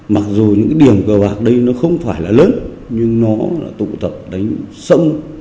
mặc dù những cái điểm cờ bạc đây nó không phải là lớn nhưng nó là tụ tập đánh sông